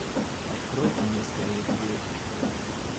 Откройте мне скорее дверь.